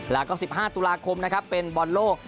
แล้วก็๑๕ตุลาคมนะครับเป็นบอลโลก